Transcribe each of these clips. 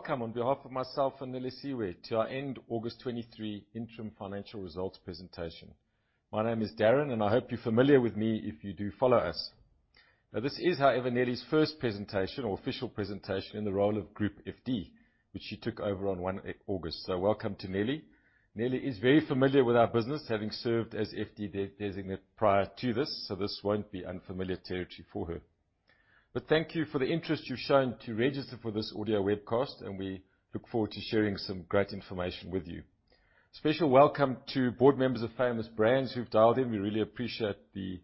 Welcome on behalf of myself and Nelisiwe to our end August 2023 interim financial results presentation. My name is Darren, and I hope you're familiar with me if you do follow us. Now, this is, however, Neli's first presentation or official presentation in the role of Group FD, which she took over on 1 August. So welcome to Neli. Neli is very familiar with our business, having served as FD Designate prior to this, so this won't be unfamiliar territory for her. But thank you for the interest you've shown to register for this audio webcast, and we look forward to sharing some great information with you. Special welcome to board members of Famous Brands who've dialed in. We really appreciate the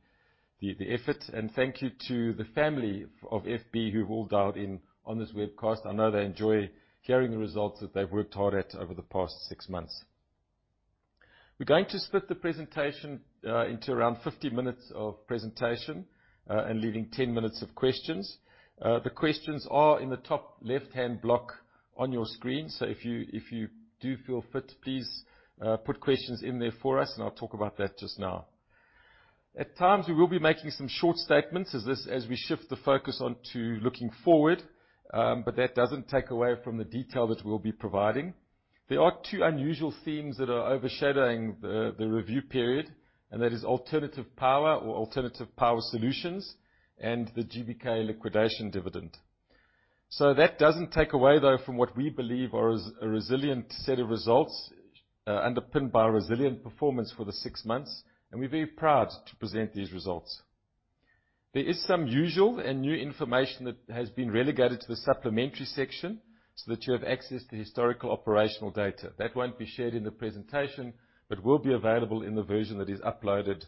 effort, and thank you to the family of FB who've all dialed in on this webcast. I know they enjoy hearing the results that they've worked hard at over the past six months. We're going to split the presentation into around 50 minutes of presentation and leaving 10 minutes of questions. The questions are in the top left-hand block on your screen, so if you, if you do feel fit, please, put questions in there for us, and I'll talk about that just now. At times, we will be making some short statements as we shift the focus on to looking forward, but that doesn't take away from the detail that we'll be providing. There are two unusual themes that are overshadowing the review period, and that is alternative power or alternative power solutions and the GBK liquidation dividend. So that doesn't take away, though, from what we believe are a resilient set of results, underpinned by a resilient performance for the six months, and we're very proud to present these results. There is some usual and new information that has been relegated to the supplementary section so that you have access to historical operational data. That won't be shared in the presentation, but will be available in the version that is uploaded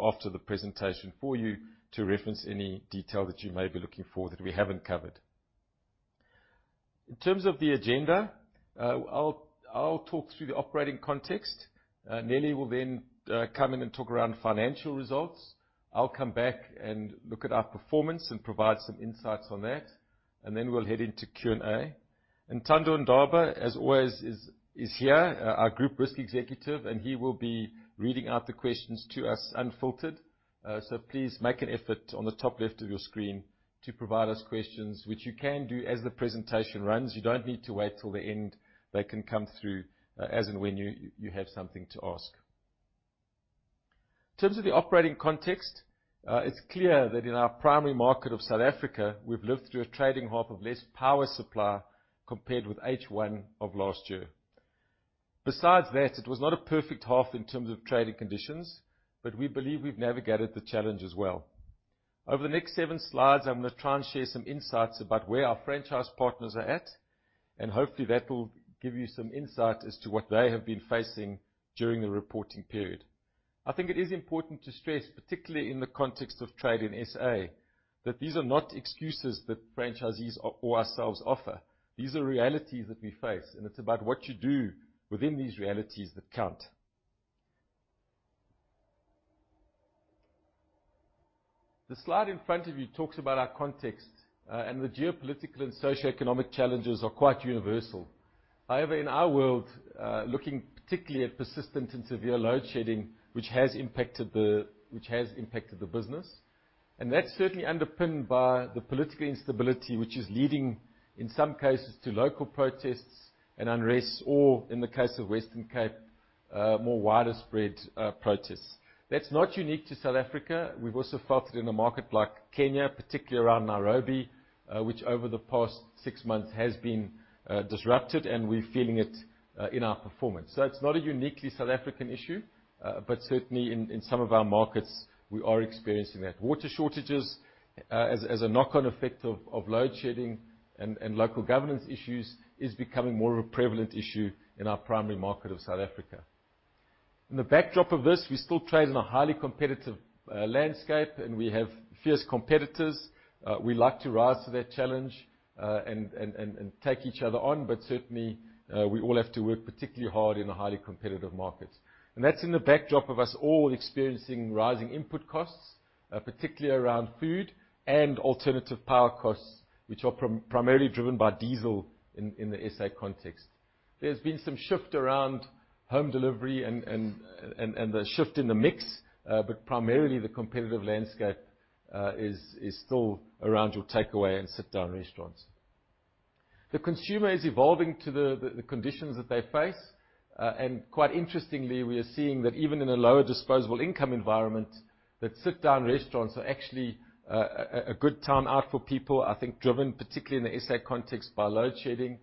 after the presentation for you to reference any detail that you may be looking for that we haven't covered. In terms of the agenda, I'll talk through the operating context. Neli will then come in and talk around financial results. I'll come back and look at our performance and provide some insights on that, and then we'll head into Q&A. Ntando Ndaba, as always, is here, our Group Risk Executive, and he will be reading out the questions to us unfiltered. Please make an effort on the top left of your screen to provide us questions, which you can do as the presentation runs. You don't need to wait till the end. They can come through, as and when you have something to ask. In terms of the operating context, it's clear that in our primary market of South Africa, we've lived through a trading half of less power supply compared with H1 of last year. Besides that, it was not a perfect half in terms of trading conditions, but we believe we've navigated the challenge as well. Over the next seven slides, I'm gonna try and share some insights about where our franchise partners are at, and hopefully that will give you some insight as to what they have been facing during the reporting period. I think it is important to stress, particularly in the context of trade in SA, that these are not excuses that franchisees or ourselves offer. These are realities that we face, and it's about what you do within these realities that count. The slide in front of you talks about our context, and the geopolitical and socioeconomic challenges are quite universal. However, in our world, looking particularly at persistent and severe load shedding, which has impacted the business, and that's certainly underpinned by the political instability, which is leading, in some cases, to local protests and unrest, or in the case of Western Cape, more widespread protests. That's not unique to South Africa. We've also felt it in a market like Kenya, particularly around Nairobi, which over the past six months has been disrupted, and we're feeling it in our performance. So it's not a uniquely South African issue, but certainly in some of our markets, we are experiencing that. Water shortages, as a knock-on effect of load shedding and local governance issues, is becoming more of a prevalent issue in our primary market of South Africa. In the backdrop of this, we still trade in a highly competitive landscape, and we have fierce competitors. We like to rise to that challenge and take each other on, but certainly, we all have to work particularly hard in a highly competitive market. And that's in the backdrop of us all experiencing rising input costs, particularly around food and alternative power costs, which are primarily driven by diesel in the SA context. There's been some shift around home delivery and a shift in the mix, but primarily, the competitive landscape is still around your takeaway and sit-down restaurants. The consumer is evolving to the conditions that they face, and quite interestingly, we are seeing that even in a lower disposable income environment, that sit-down restaurants are actually a good time out for people, I think, driven, particularly in the SA context, by load shedding.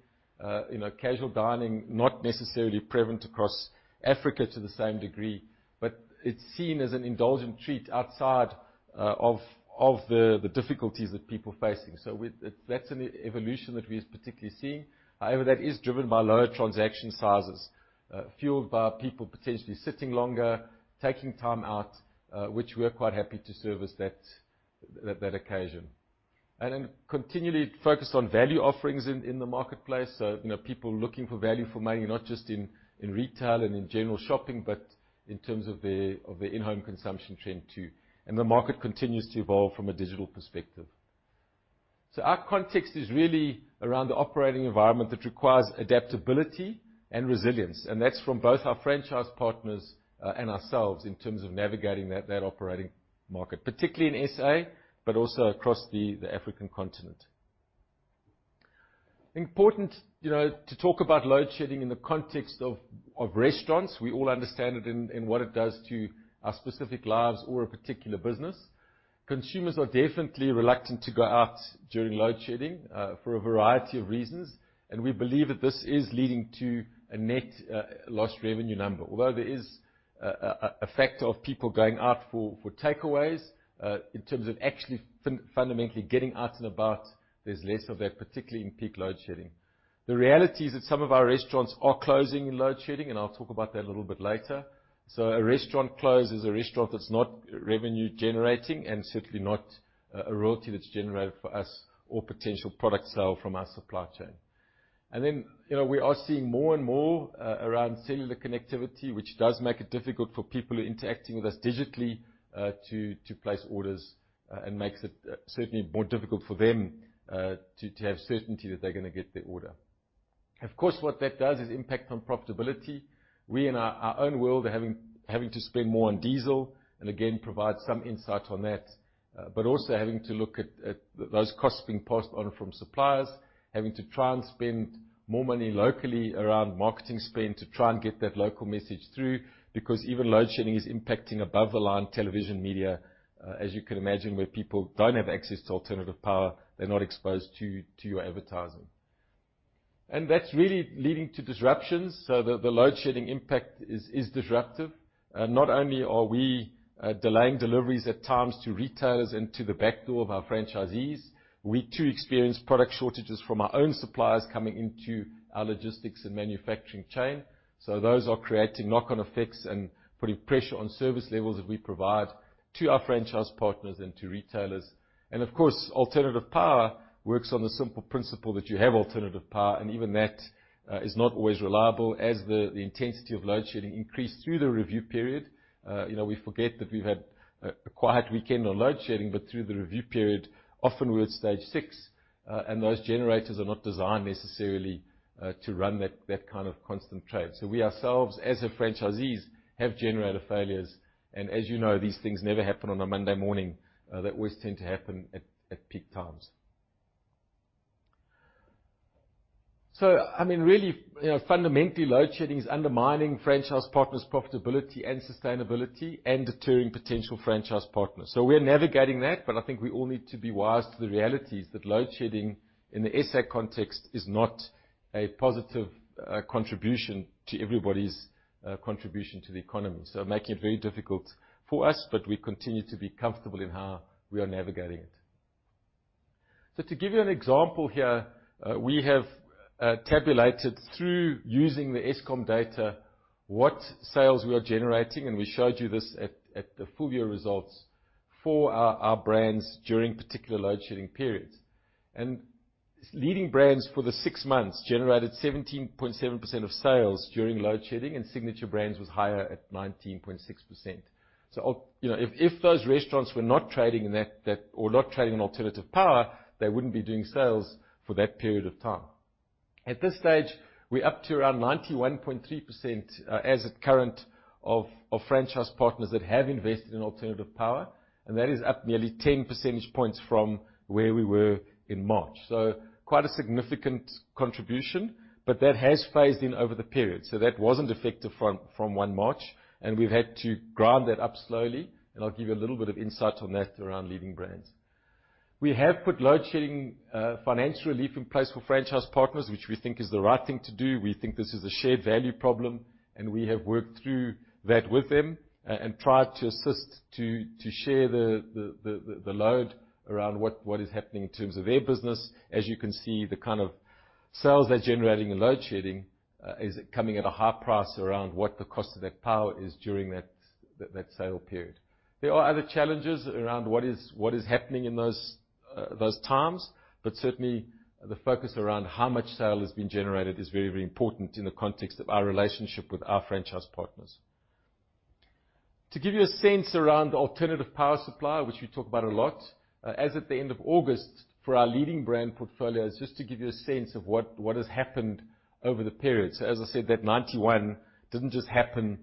You know, casual dining, not necessarily prevalent across Africa to the same degree, but it's seen as an indulgent treat outside of the difficulties that people are facing. That's an evolution that we are particularly seeing. However, that is driven by lower transaction sizes, fueled by people potentially sitting longer, taking time out, which we are quite happy to service that occasion. And then continually focused on value offerings in the marketplace, you know, people looking for value for money, not just in retail and in general shopping, but in terms of their in-home consumption trend, too. And the market continues to evolve from a digital perspective. So our context is really around the operating environment that requires adaptability and resilience, and that's from both our franchise partners and ourselves in terms of navigating that operating market, particularly in SA, but also across the African continent. Important, you know, to talk about load shedding in the context of restaurants. We all understand it and what it does to our specific lives or a particular business. Consumers are definitely reluctant to go out during load shedding for a variety of reasons, and we believe that this is leading to a net lost revenue number. Although there is a factor of people going out for takeaways, in terms of actually fundamentally getting out and about, there's less of that, particularly in peak load shedding. The reality is that some of our restaurants are closing in load shedding, and I'll talk about that a little bit later. So a restaurant close is a restaurant that's not revenue generating and certainly not a royalty that's generated for us or potential product sale from our supply chain. And then, you know, we are seeing more and more around cellular connectivity, which does make it difficult for people who are interacting with us digitally, to place orders, and makes it certainly more difficult for them, to have certainty that they're gonna get their order. Of course, what that does is impact on profitability. We, in our own world, are having to spend more on diesel, and again, provide some insight on that, but also having to look at those costs being passed on from suppliers, having to try and spend more money locally around marketing spend to try and get that local message through, because even load shedding is impacting above-the-line television media. As you can imagine, where people don't have access to alternative power, they're not exposed to your advertising. That's really leading to disruptions, so the load shedding impact is disruptive. Not only are we delaying deliveries at times to retailers and to the back door of our franchisees, we too experience product shortages from our own suppliers coming into our logistics and manufacturing chain. So those are creating knock-on effects and putting pressure on service levels that we provide to our franchise partners and to retailers. Of course, alternative power works on the simple principle that you have alternative power, and even that is not always reliable. As the intensity of load shedding increased through the review period, you know, we forget that we've had a quiet weekend on load shedding, but through the review period, often we're at Stage Six, and those generators are not designed necessarily to run that kind of constant trade. So we ourselves, as are franchisees, have generator failures, and as you know, these things never happen on a Monday morning. They always tend to happen at, at peak times. So, I mean, really, you know, fundamentally, load shedding is undermining franchise partners' profitability and sustainability and deterring potential franchise partners. So we're navigating that, but I think we all need to be wise to the realities that load shedding in the Eskom context is not a positive, contribution to everybody's, contribution to the economy. So making it very difficult for us, but we continue to be comfortable in how we are navigating it. So to give you an example here, we have, tabulated through using the Eskom data, what sales we are generating, and we showed you this at, at the full year results for our, our brands during particular load shedding periods. Leading Brands for the six months generated 17.7% of sales during load shedding, and Signature Brands was higher at 19.6%. So, you know, if those restaurants were not trading in that, that or not trading on alternative power, they wouldn't be doing sales for that period of time. At this stage, we're up to around 91.3%, as at current of franchise partners that have invested in alternative power, and that is up nearly 10 percentage points from where we were in March. So quite a significant contribution, but that has phased in over the period, so that wasn't effective from one March, and we've had to ground that up slowly, and I'll give you a little bit of insight on that around Leading Brands. We have put Load Shedding financial relief in place for franchise partners, which we think is the right thing to do. We think this is a shared value problem, and we have worked through that with them, and tried to assist to share the load around what is happening in terms of their business. As you can see, the kind of sales they're generating in Load Shedding is coming at a high price around what the cost of that power is during that sale period. There are other challenges around what is happening in those times, but certainly, the focus around how much sale is being generated is very, very important in the context of our relationship with our franchise partners. To give you a sense around the alternative power supply, which we talk about a lot, as at the end of August, for our Leading Brands portfolios, just to give you a sense of what has happened over the period. So as I said, that 91 didn't just happen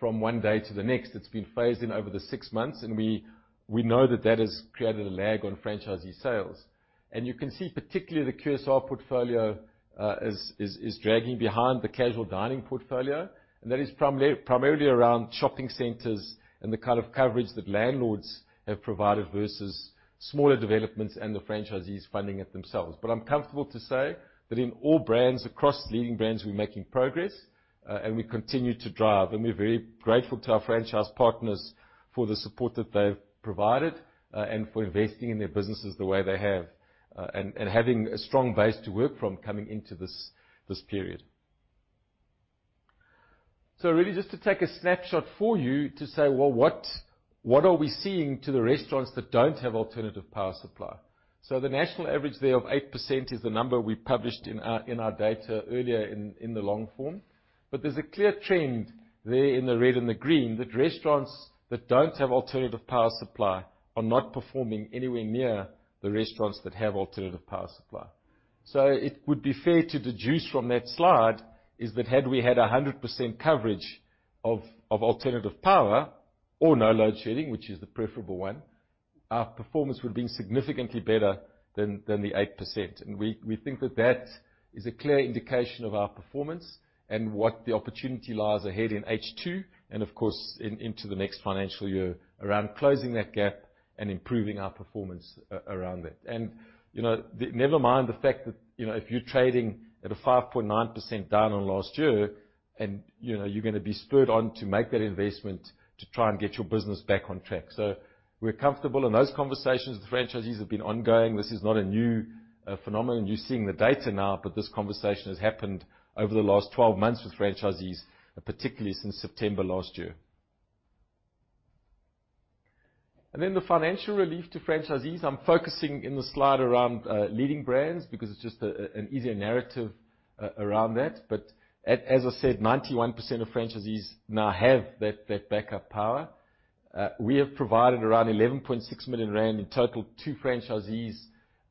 from one day to the next. It's been phased in over the six months, and we know that that has created a lag on franchisee sales. And you can see particularly the QSR portfolio is dragging behind the casual dining portfolio, and that is primarily around shopping centers and the kind of coverage that landlords have provided versus smaller developments and the franchisees funding it themselves. But I'm comfortable to say that in all brands, across Leading Brands, we're making progress, and we continue to drive, and we're very grateful to our franchise partners for the support that they've provided, and for investing in their businesses the way they have, and, and having a strong base to work from coming into this period. So really, just to take a snapshot for you to say, well, what are we seeing to the restaurants that don't have alternative power supply? So the national average there of 8% is the number we published in our data earlier in the long form, but there's a clear trend there in the red and the green, that restaurants that don't have alternative power supply are not performing anywhere near the restaurants that have alternative power supply. So it would be fair to deduce from that slide is that had we had 100% coverage of, of alternative power or no load shedding, which is the preferable one. Our performance would have been significantly better than, than the 8%. And we, we think that that is a clear indication of our performance and what the opportunity lies ahead in H2, and of course, in, into the next financial year, around closing that gap and improving our performance around that. And, you know, the, never mind the fact that, you know, if you're trading at a 5.9% down on last year, and, you know, you're gonna be spurred on to make that investment to try and get your business back on track. So we're comfortable, and those conversations with franchisees have been ongoing. This is not a new phenomenon. You're seeing the data now, but this conversation has happened over the last 12 months with franchisees, particularly since September last year. And then the financial relief to franchisees, I'm focusing in the slide around Leading Brands, because it's just an easier narrative around that. But as I said, 91% of franchisees now have that backup power. We have provided around 11.6 million rand in total to franchisees,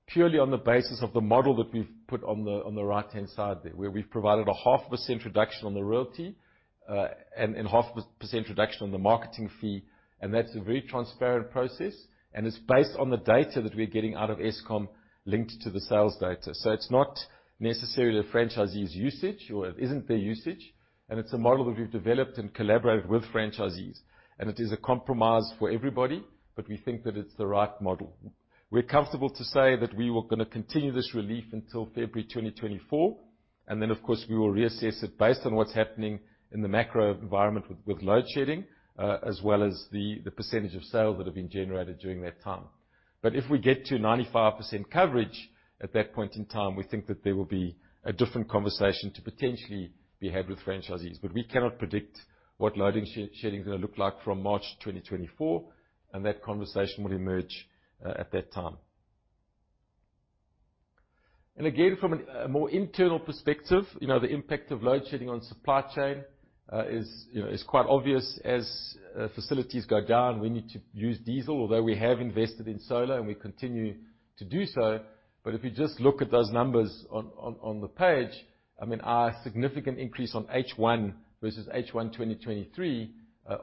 purely on the basis of the model that we've put on the right-hand side there, where we've provided a 0.5% reduction on the royalty, and 0.5% reduction on the marketing fee, and that's a very transparent process, and it's based on the data that we're getting out of Eskom, linked to the sales data. So it's not necessarily the franchisee's usage, or it isn't their usage, and it's a model that we've developed and collaborated with franchisees. And it is a compromise for everybody, but we think that it's the right model. We're comfortable to say that we are gonna continue this relief until February 2024, and then, of course, we will reassess it based on what's happening in the macro environment with load shedding, as well as the percentage of sales that have been generated during that time. But if we get to 95% coverage at that point in time, we think that there will be a different conversation to potentially be had with franchisees. But we cannot predict what load shedding is gonna look like from March 2024, and that conversation will emerge at that time. And again, from a more internal perspective, you know, the impact of load shedding on supply chain is, you know, is quite obvious. As facilities go down, we need to use diesel, although we have invested in solar, and we continue to do so. But if you just look at those numbers on the page, I mean, our significant increase on H1 versus H1 2023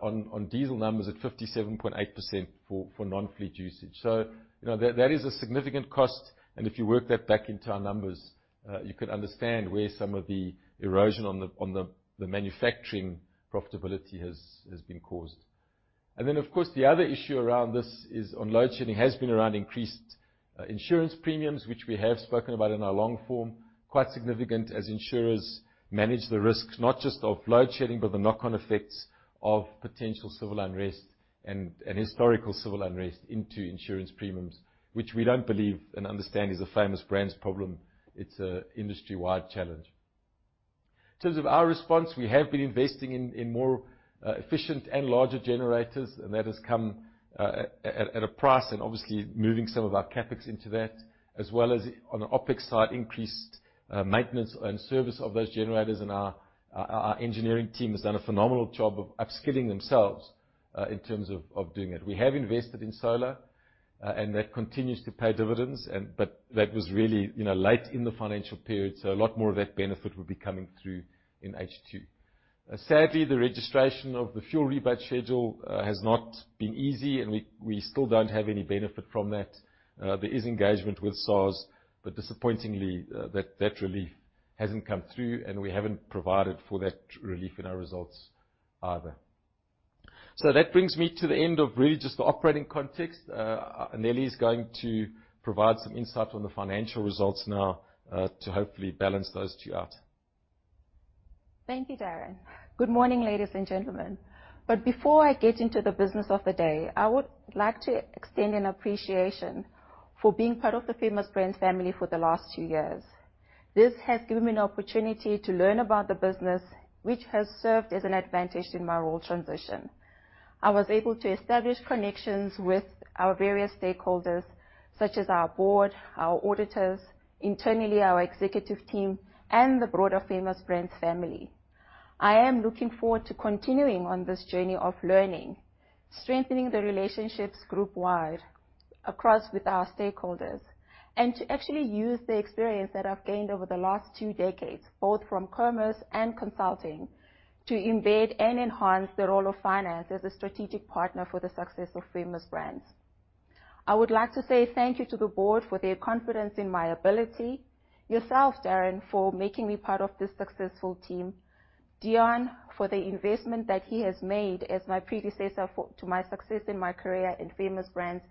on diesel numbers at 57.8% for non-fleet usage. So, you know, that is a significant cost, and if you work that back into our numbers, you can understand where some of the erosion on the manufacturing profitability has been caused. And then, of course, the other issue around this is on load shedding, has been around increased insurance premiums, which we have spoken about in our long form, quite significant as insurers manage the risks, not just of Load Shedding, but the knock-on effects of potential civil unrest and historical civil unrest into insurance premiums, which we don't believe and understand is a Famous Brands problem. It's a industry-wide challenge. In terms of our response, we have been investing in more efficient and larger generators, and that has come at a price, and obviously moving some of our CapEx into that, as well as on the OpEx side, increased maintenance and service of those generators, and our engineering team has done a phenomenal job of upskilling themselves in terms of doing it. We have invested in solar, and that continues to pay dividends, and that was really, you know, late in the financial period, so a lot more of that benefit will be coming through in H2. Sadly, the registration of the fuel rebate schedule has not been easy, and we still don't have any benefit from that. There is engagement with SARS, but disappointingly, that relief hasn't come through, and we haven't provided for that relief in our results either. That brings me to the end of really just the operating context. Neli is going to provide some insight on the financial results now, to hopefully balance those two out. Thank you, Darren. Good morning, ladies and gentlemen. Before I get into the business of the day, I would like to extend an appreciation for being part of the Famous Brands family for the last two years. This has given me an opportunity to learn about the business, which has served as an advantage in my role transition. I was able to establish connections with our various stakeholders, such as our board, our auditors, internally, our executive team, and the broader Famous Brands family. I am looking forward to continuing on this journey of learning, strengthening the relationships group-wide across with our stakeholders, and to actually use the experience that I've gained over the last two decades, both from commerce and consulting, to embed and enhance the role of finance as a strategic partner for the success of Famous Brands. I would like to say thank you to the board for their confidence in my ability, yourself, Darren, for making me part of this successful team, Deon, for the investment that he has made as my predecessor for to my success in my career in Famous Brands,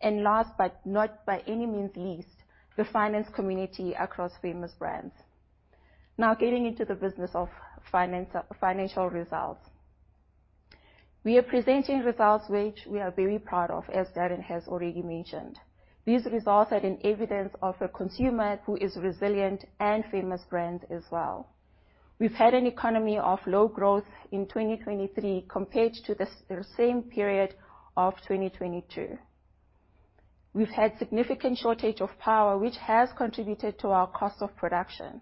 and last, but not by any means least, the finance community across Famous Brands. Now, getting into the business of finance, financial results. We are presenting results which we are very proud of, as Darren has already mentioned. These results are an evidence of a consumer who is resilient and Famous Brands as well. We've had an economy of low growth in 2023 compared to the same period of 2022. We've had significant shortage of power, which has contributed to our cost of production.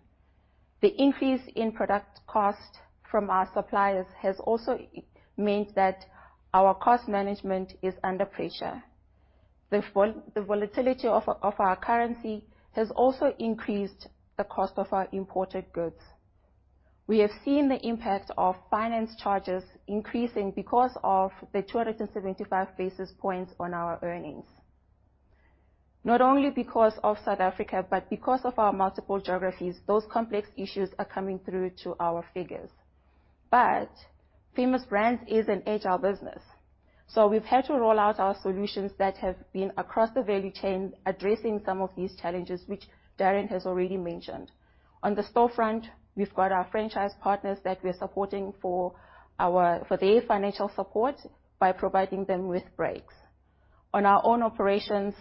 The increase in product cost from our suppliers has also meant that our cost management is under pressure. The volatility of our currency has also increased the cost of our imported goods. We have seen the impact of finance charges increasing because of the 275 basis points on our earnings. Not only because of South Africa, but because of our multiple geographies, those complex issues are coming through to our figures. But Famous Brands is an agile business, so we've had to roll out our solutions that have been across the value chain, addressing some of these challenges, which Darren has already mentioned. On the store front, we've got our franchise partners that we're supporting for their financial support by providing them with breaks. On our own operations,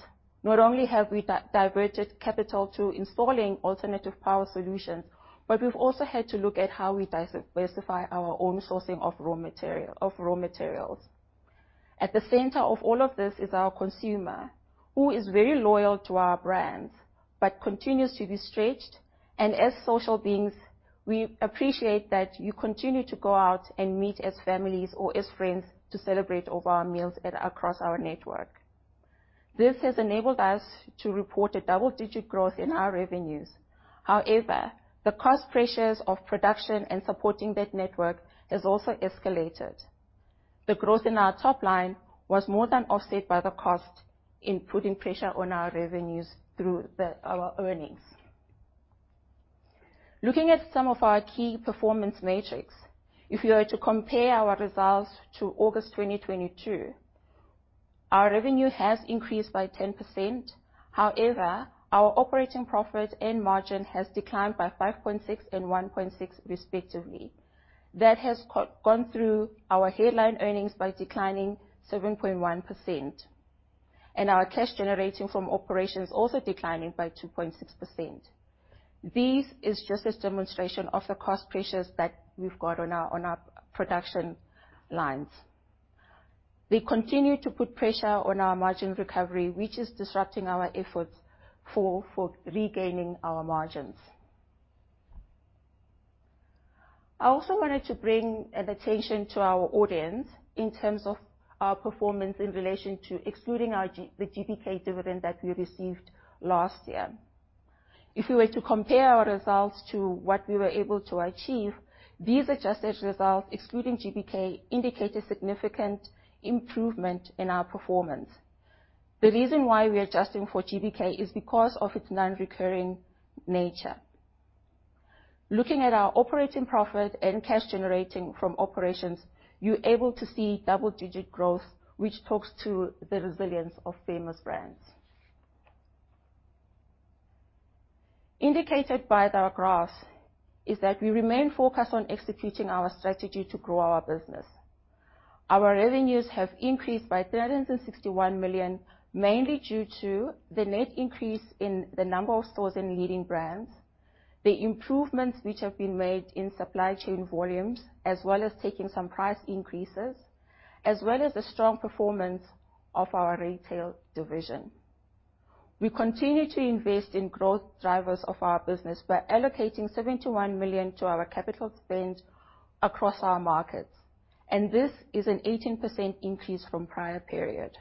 not only have we diverted capital to installing alternative power solutions, but we've also had to look at how we diversify our own sourcing of raw material, of raw materials. At the center of all of this is our consumer, who is very loyal to our brands, but continues to be stretched, and as social beings, we appreciate that you continue to go out and meet as families or as friends to celebrate over our meals at, across our network. This has enabled us to report a double-digit growth in our revenues. However, the cost pressures of production and supporting that network has also escalated. The growth in our top line was more than offset by the cost in putting pressure on our revenues through our earnings. Looking at some of our key performance metrics, if you were to compare our results to August 2022, our revenue has increased by 10%. However, our operating profit and margin has declined by 5.6% and 1.6%, respectively. That has gone through our headline earnings by declining 7.1%, and our cash generating from operations also declining by 2.6%. This is just a demonstration of the cost pressures that we've got on our, on our production lines. They continue to put pressure on our margin recovery, which is disrupting our efforts for, for regaining our margins. I also wanted to bring attention to our audience in terms of our performance in relation to excluding the GBK dividend that we received last year. If we were to compare our results to what we were able to achieve, these adjusted results, excluding GBK, indicate a significant improvement in our performance. The reason why we're adjusting for GBK is because of its non-recurring nature. Looking at our operating profit and cash generating from operations, you're able to see double-digit growth, which talks to the resilience of Famous Brands. Indicated by our graphs, is that we remain focused on executing our strategy to grow our business. Our revenues have increased by 361 million, mainly due to the net increase in the number of stores in Leading Brands, the improvements which have been made in supply chain volumes, as well as taking some price increases, as well as the strong performance of our retail division. We continue to invest in growth drivers of our business by allocating 71 million to our capital spend across our markets, and this is an 18% increase from prior period.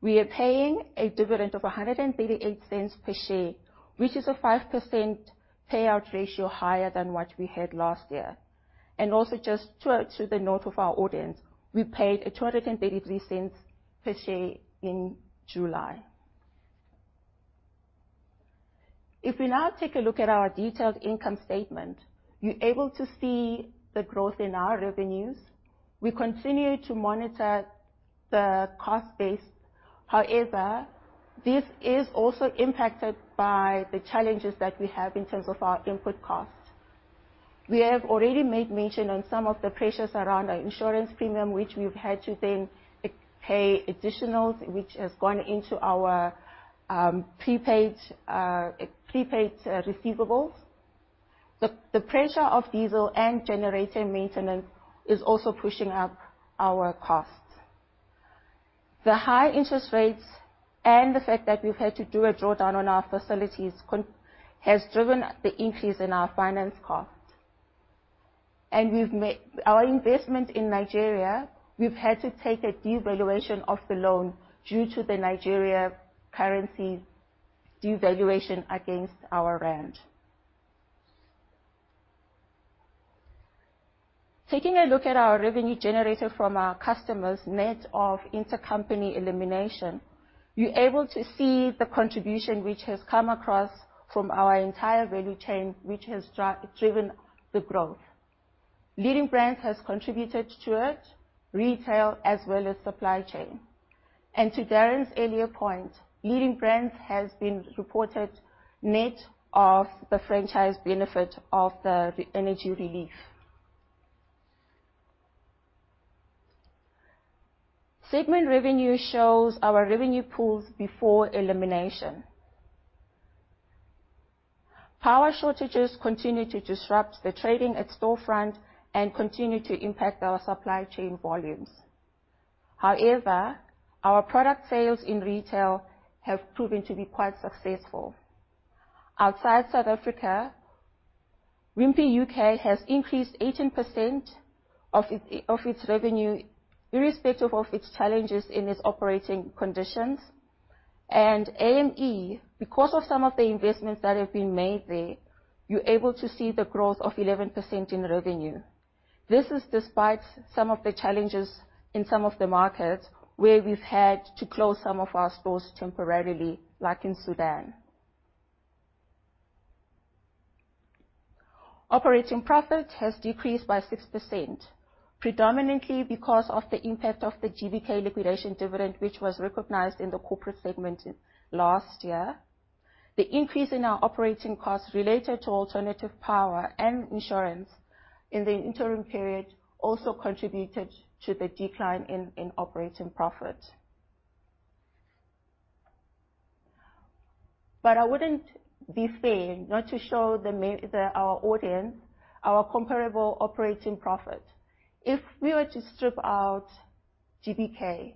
We are paying a dividend of 1.38 per share, which is a 5% payout ratio higher than what we had last year. Also just to the note of our audience, we paid a 2.33 per share in July. If we now take a look at our detailed income statement, you're able to see the growth in our revenues. We continue to monitor the cost base. However, this is also impacted by the challenges that we have in terms of our input costs. We have already made mention on some of the pressures around our insurance premium, which we've had to then pay additionals, which has gone into our prepaid receivables. The pressure of diesel and generator maintenance is also pushing up our costs. The high interest rates and the fact that we've had to do a drawdown on our facilities has driven the increase in our finance costs. Our investment in Nigeria, we've had to take a devaluation of the loan due to the Nigerian currency devaluation against our rand. Taking a look at our revenue generated from our customers, net of intercompany elimination, you're able to see the contribution which has come across from our entire value chain, which has driven the growth. Leading Brands has contributed to it, retail, as well as supply chain. To Darren's earlier point, Leading Brands has been reported net of the franchise benefit of the energy relief. Segment revenue shows our revenue pools before elimination. Power shortages continue to disrupt the trading at storefront and continue to impact our supply chain volumes. However, our product sales in retail have proven to be quite successful. Outside South Africa, Wimpy U.K. has increased 18% of its revenue, irrespective of its challenges in its operating conditions. AME, because of some of the investments that have been made there, you're able to see the growth of 11% in revenue. This is despite some of the challenges in some of the markets, where we've had to close some of our stores temporarily, like in Sudan. Operating profit has decreased by 6%, predominantly because of the impact of the GBK liquidation dividend, which was recognized in the corporate segment last year. The increase in our operating costs related to alternative power and insurance in the interim period also contributed to the decline in operating profit. But it wouldn't be fair not to show our audience our comparable operating profit. If we were to strip out GBK,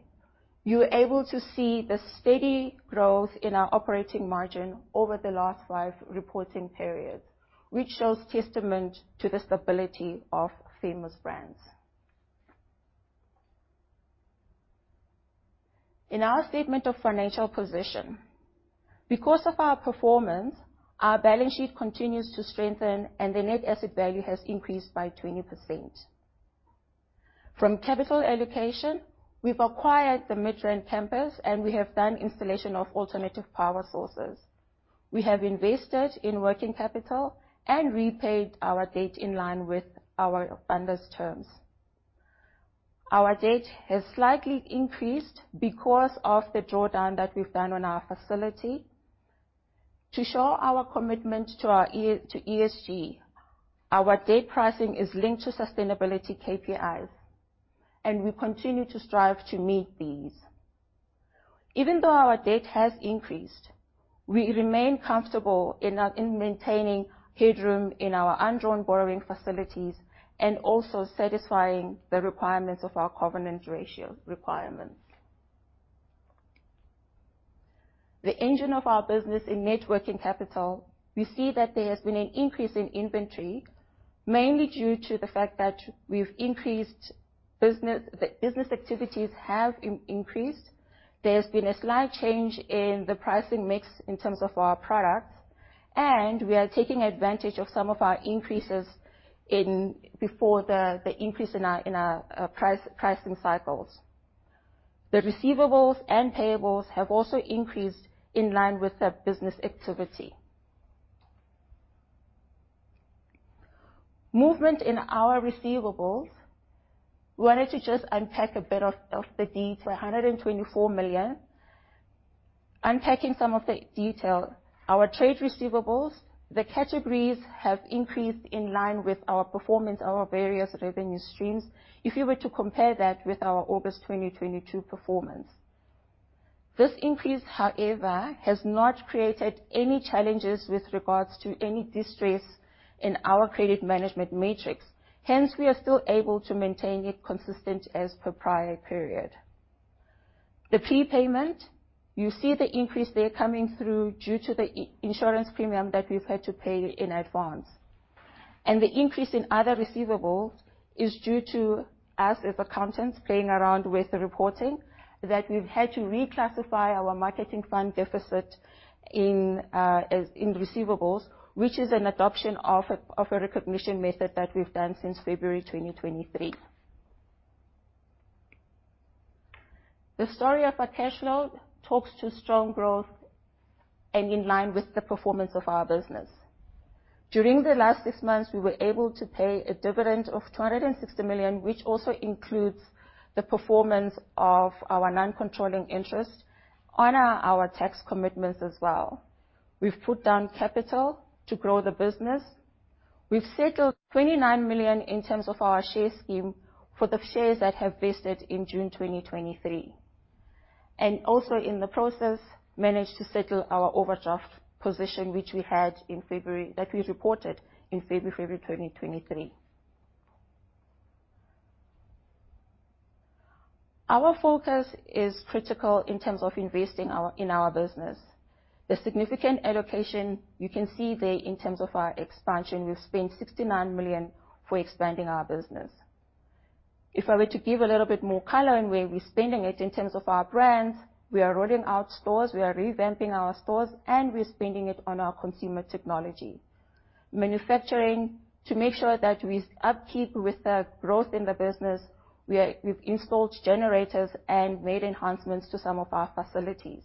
you are able to see the steady growth in our operating margin over the last five reporting periods, which shows testament to the stability of Famous Brands. In our statement of financial position, because of our performance, our balance sheet continues to strengthen, and the net asset value has increased by 20%. From capital allocation, we've acquired the Midrand campus, and we have done installation of alternative power sources. We have invested in working capital and repaid our debt in line with our lenders' terms. Our debt has slightly increased because of the drawdown that we've done on our facility. To show our commitment to our ESG, our debt pricing is linked to sustainability KPIs, and we continue to strive to meet these. Even though our debt has increased, we remain comfortable in our, in maintaining headroom in our undrawn borrowing facilities and also satisfying the requirements of our covenant ratio requirements. The engine of our business in net working capital, we see that there has been an increase in inventory, mainly due to the fact that we've increased business. The business activities have increased. There's been a slight change in the pricing mix in terms of our products, and we are taking advantage of some of our increases in before the increase in our pricing cycles. The receivables and payables have also increased in line with the business activity. Movement in our receivables, we wanted to just unpack a bit of the detail, 124 million. Unpacking some of the detail, our trade receivables, the categories have increased in line with our performance, our various revenue streams, if you were to compare that with our August 2022 performance. This increase, however, has not created any challenges with regards to any distress in our credit management matrix, hence, we are still able to maintain it consistent as per prior period. The prepayment, you see the increase there coming through due to the insurance premium that we've had to pay in advance, and the increase in other receivables is due to us, as accountants, playing around with the reporting, that we've had to reclassify our marketing fund deficit in, as, in receivables, which is an adoption of a, of a recognition method that we've done since February 2023. The story of our cash flow talks to strong growth and in line with the performance of our business. During the last six months, we were able to pay a dividend of 260 million, which also includes the performance of our non-controlling interest on our, our tax commitments as well. We've put down capital to grow the business. We've settled 29 million in terms of our share scheme for the shares that have vested in June 2023, and also in the process, managed to settle our overdraft position, which we had in February, that we reported in February, February 2023. Our focus is critical in terms of investing in our business. The significant allocation you can see there in terms of our expansion, we've spent 69 million for expanding our business. If I were to give a little bit more color on where we're spending it, in terms of our brands, we are rolling out stores, we are revamping our stores, and we're spending it on our consumer technology. Manufacturing, to make sure that we upkeep with the growth in the business, we've installed generators and made enhancements to some of our facilities.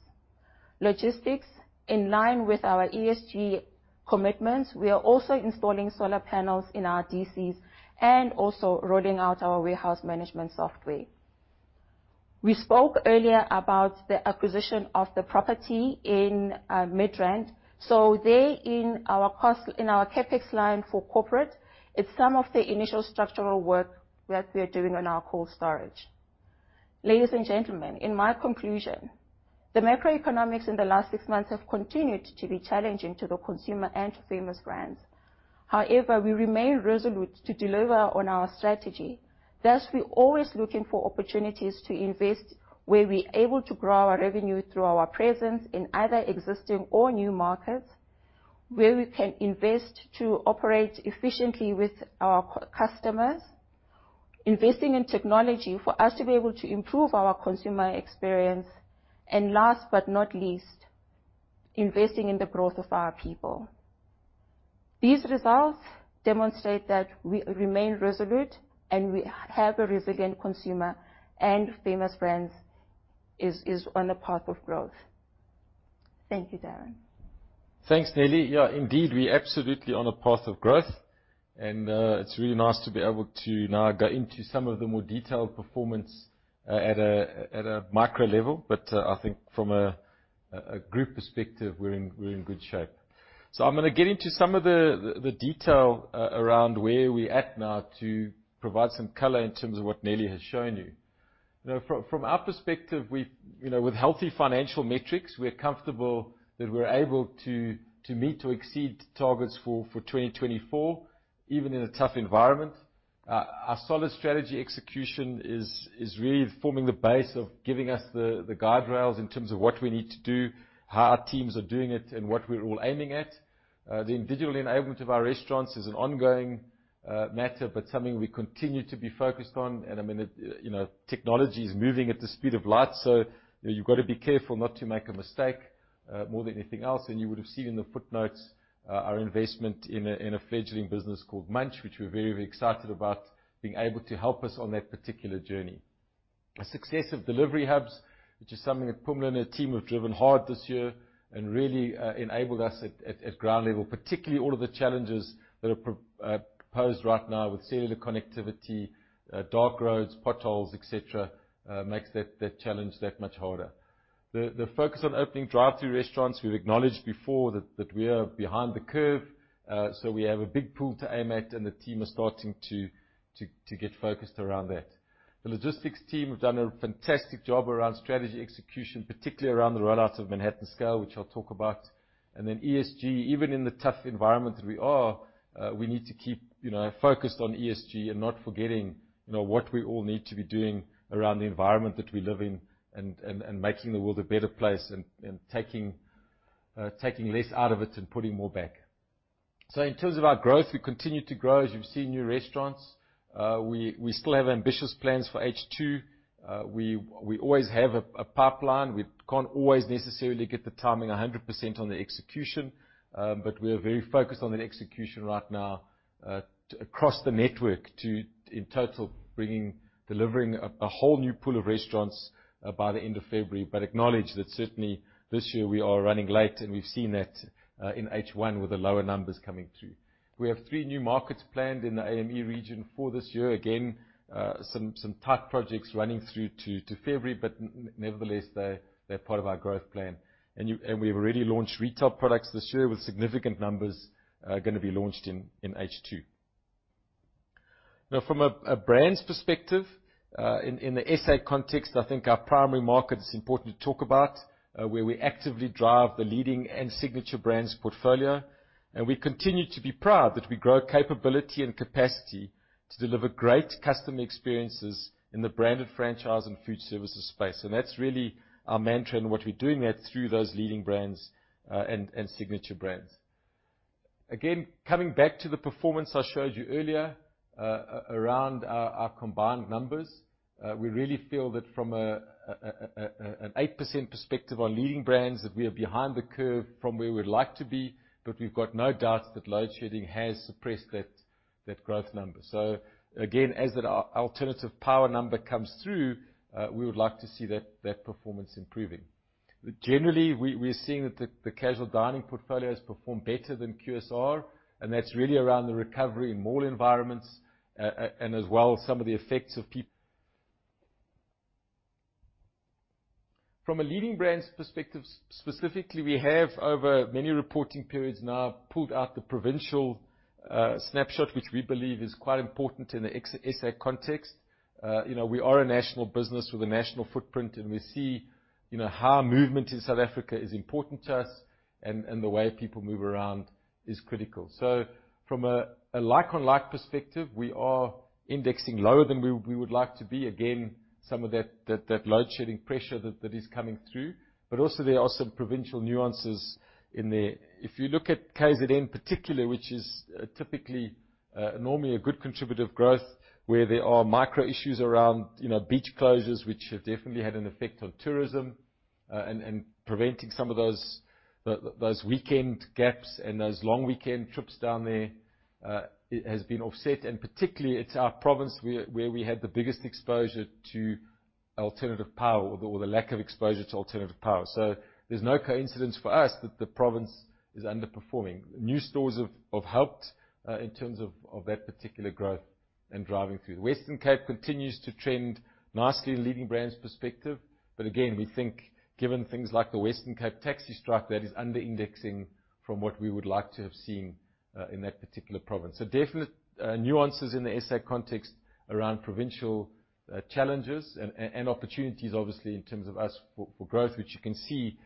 Logistics, in line with our ESG commitments, we are also installing solar panels in our DCs and also rolling out our warehouse management software. We spoke earlier about the acquisition of the property in Midrand, so there in our cost, in our CapEx line for corporate, it's some of the initial structural work that we are doing on our cold storage. Ladies and gentlemen, in my conclusion, the macroeconomics in the last six months have continued to be challenging to the consumer and to Famous Brands. However, we remain resolute to deliver on our strategy. Thus, we're always looking for opportunities to invest where we're able to grow our revenue through our presence in either existing or new markets, where we can invest to operate efficiently with our customers investing in technology for us to be able to improve our consumer experience, and last but not least, investing in the growth of our people. These results demonstrate that we remain resolute, and we have a resilient consumer, and Famous Brands is on a path of growth. Thank you, Darren. Thanks, Neli. Yeah, indeed, we're absolutely on a path of growth, and, it's really nice to be able to now go into some of the more detailed performance, at a micro level, but, I think from a group perspective, we're in good shape. So I'm gonna get into some of the detail around where we're at now to provide some color in terms of what Neli has shown you. You know, from our perspective, with healthy financial metrics, we're comfortable that we're able to to meet, to exceed targets for 2024, even in a tough environment. Our solid strategy execution is really forming the base of giving us the guide rails in terms of what we need to do, how our teams are doing it, and what we're all aiming at. The digital enablement of our restaurants is an ongoing matter, but something we continue to be focused on, and I mean, it, you know, technology is moving at the speed of light, so you've got to be careful not to make a mistake more than anything else. And you would have seen in the footnotes our investment in a fledgling business called Munch, which we're very excited about, being able to help us on that particular journey. A success of delivery hubs, which is something that Pumla and her team have driven hard this year and really enabled us at ground level, particularly all of the challenges that are posed right now with cellular connectivity, dark roads, potholes, et cetera, makes that challenge that much harder. The focus on opening drive-through restaurants, we've acknowledged before that we are behind the curve, so we have a big pool to aim at, and the team are starting to get focused around that. The logistics team have done a fantastic job around strategy execution, particularly around the roll out of Manhattan SCALE, which I'll talk about. And then ESG, even in the tough environment that we are, we need to keep, you know, focused on ESG and not forgetting, you know, what we all need to be doing around the environment that we live in, and making the world a better place and taking less out of it and putting more back. So in terms of our growth, we continue to grow. As you've seen, new restaurants. We still have ambitious plans for H2. We always have a pipeline. We can't always necessarily get the timing 100% on the execution, but we are very focused on the execution right now across the network to, in total, bringing, delivering a whole new pool of restaurants by the end of February, but acknowledge that certainly this year we are running late, and we've seen that in H1 with the lower numbers coming through. We have three new markets planned in the AME region for this year. Again, some tight projects running through to February, but nevertheless, they're part of our growth plan. And we've already launched retail products this year with significant numbers gonna be launched in H2. Now, from a brand's perspective, in the SA context, I think our primary market is important to talk about, where we actively drive the Leading Brands and Signature Brands portfolio, and we continue to be proud that we grow capability and capacity to deliver great customer experiences in the branded franchise and food services space. And that's really our mantra and what we're doing that through those Leading Brands and Signature Brands. Again, coming back to the performance I showed you earlier, around our combined numbers, we really feel that from an 8% perspective on Leading Brands, that we are behind the curve from where we'd like to be, but we've got no doubts that load shedding has suppressed that growth number. So again, as that alternative power number comes through, we would like to see that performance improving. Generally, we're seeing that the casual dining portfolio has performed better than QSR, and that's really around the recovery in mall environments, and as well. From a Leading Brands perspective, specifically, we have, over many reporting periods now, pulled out the provincial snapshot, which we believe is quite important in the ex-SA context. You know, we are a national business with a national footprint, and we see, you know, how movement in South Africa is important to us, and the way people move around is critical. So from a like-for-like perspective, we are indexing lower than we would like to be. Again, some of that load shedding pressure that is coming through, but also there are some provincial nuances in there. If you look at KZN in particular, which is typically normally a good contributive growth, where there are micro issues around, you know, beach closures, which have definitely had an effect on tourism, and preventing some of those weekend gaps and those long weekend trips down there, it has been offset, and particularly it's our province where we had the biggest exposure to alternative power or the lack of exposure to alternative power. So there's no coincidence for us that the province is underperforming. New stores have helped in terms of that particular growth and driving through. Western Cape continues to trend nicely in Leading Brands perspective, but again, we think given things like the Western Cape taxi strike, that is under-indexing from what we would like to have seen in that particular province. So definite nuances in the SA context around provincial challenges and opportunities, obviously, in terms of us for growth, which you can see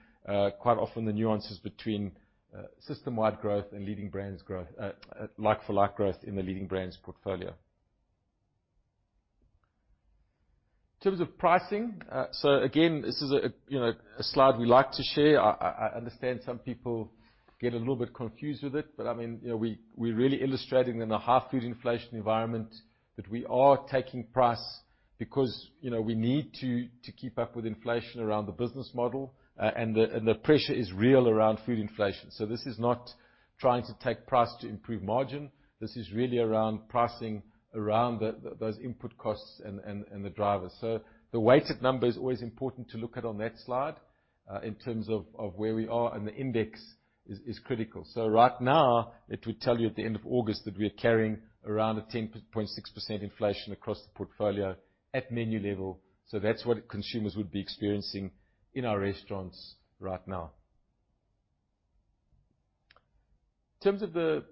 quite often the nuances between system-wide growth and Leading Brands growth, like-for-like growth in the Leading Brands portfolio. In terms of pricing, so again, this is a, you know, a slide we like to share. I understand some people get a little bit confused with it, but, I mean, you know, we're really illustrating in a high food inflation environment, that we are taking price because, you know, we need to keep up with inflation around the business model. And the pressure is real around food inflation. So this is not trying to take price to improve margin. This is really around pricing around the those input costs and the drivers. So the weighted number is always important to look at on that slide, in terms of where we are, and the index is critical. So right now, it would tell you at the end of August that we are carrying around a 10.6% inflation across the portfolio at menu level, so that's what consumers would be experiencing in our restaurants right now. In terms of the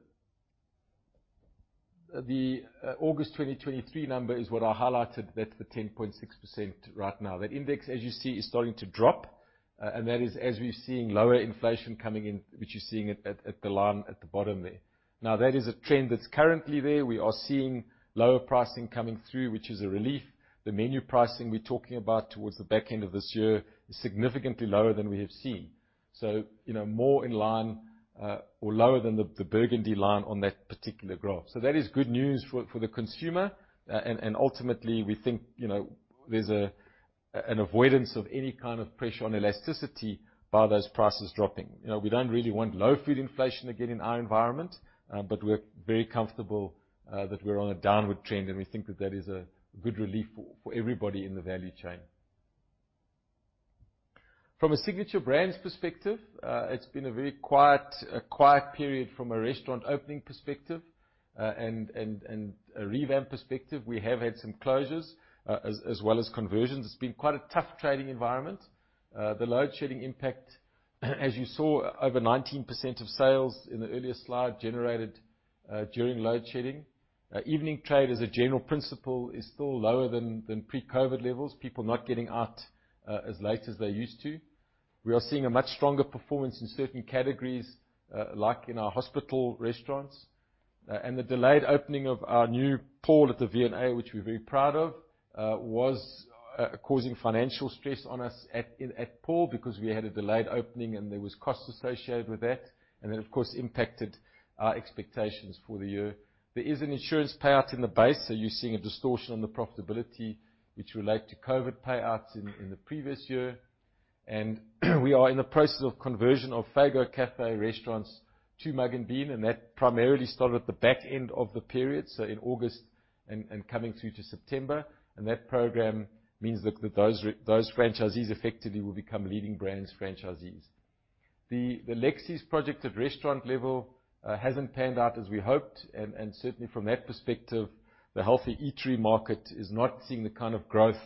August 2023 number is what I highlighted, that's the 10.6% right now. That index, as you see, is starting to drop, and that is as we're seeing lower inflation coming in, which you're seeing at the line at the bottom there. Now, that is a trend that's currently there. We are seeing lower pricing coming through, which is a relief. The menu pricing we're talking about towards the back end of this year is significantly lower than we have seen. So, you know, more in line, or lower than the burgundy line on that particular graph. So that is good news for the consumer. And ultimately, we think, you know, there's an avoidance of any kind of pressure on elasticity by those prices dropping. You know, we don't really want low food inflation again in our environment, but we're very comfortable that we're on a downward trend, and we think that is a good relief for everybody in the value chain. From a Signature Brands perspective, it's been a very quiet period from a restaurant opening perspective, and a revamp perspective. We have had some closures, as well as conversions. It's been quite a tough trading environment. The Load Shedding impact, as you saw, over 19% of sales in the earlier slide generated during Load Shedding. Evening trade, as a general principle, is still lower than pre-COVID levels, people not getting out as late as they used to. We are seeing a much stronger performance in certain categories, like in our hospital restaurants. And the delayed opening of our new PAUL at the V&A Waterfront, which we're very proud of, was causing financial stress on us at, in, at PAUL, because we had a delayed opening, and there was costs associated with that, and that, of course, impacted our expectations for the year. There is an insurance payout in the base, so you're seeing a distortion on the profitability, which relate to COVID payouts in the previous year. We are in the process of conversion of Fego Caffé restaurants to Mugg & Bean, and that primarily started at the back end of the period, so in August and coming through to September. That program means that those franchisees effectively will become Leading Brands franchisees. The Lexi's project at restaurant level hasn't panned out as we hoped, and certainly from that perspective, the healthy eatery market is not seeing the kind of growth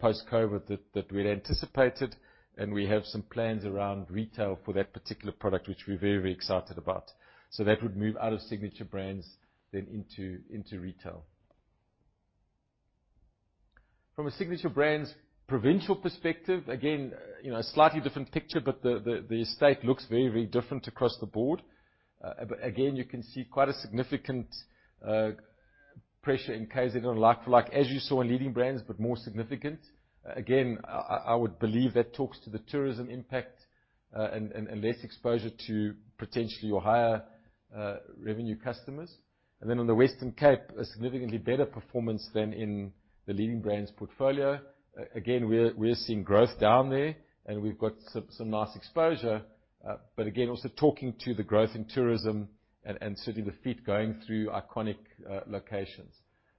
post-COVID that we'd anticipated, and we have some plans around retail for that particular product, which we're very excited about. So that would move out of Signature Brands then into retail. From a Signature Brands provincial perspective, again, you know, a slightly different picture, but the estate looks very different across the board. But again, you can see quite a significant pressure in KZN on like for like, as you saw in Leading Brands, but more significant. Again, I would believe that talks to the tourism impact, and less exposure to potentially your higher revenue customers. And then on the Western Cape, a significantly better performance than in the Leading Brands portfolio. Again, we're seeing growth down there, and we've got some nice exposure, but again, also talking to the growth in tourism and certainly the feet going through iconic locations.